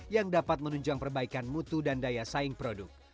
yang dapat menunjang perbaikan mutu dan daya saing produk